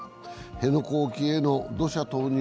辺野古沖への土砂投入